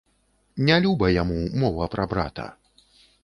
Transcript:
Не люба яму мова пра брата.